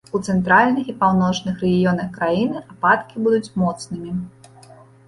У цэнтральных і паўночных раёнах краіны ападкі будуць моцнымі.